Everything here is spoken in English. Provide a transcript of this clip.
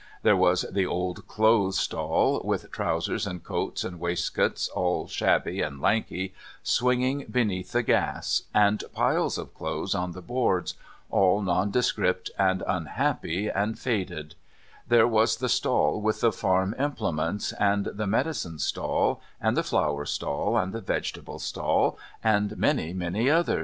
There was the old clothes' stall with trousers and coats and waistcoats, all shabby and lanky, swinging beneath the gas, and piles of clothes on the boards, all nondescript and unhappy and faded; there was the stall with the farm implements, and the medicine stall, and the flower stall, and the vegetable stall, and many, many another.